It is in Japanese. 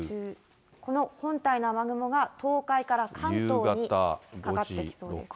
この本体の雨雲が東海から関東にかかってきそうです。